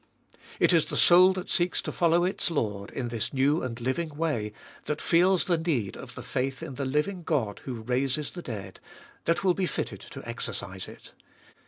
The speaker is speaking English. It is the soul that seeks to follow its Lord in this new and living way, that feels the need of the faith in the living God who raises the dead, that will be fitted to exercise it.